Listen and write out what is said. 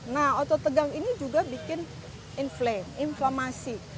nah otot tegang ini juga bikin inflamasi